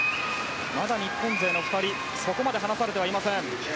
まだ、日本勢の２人そこまで離されてはいません。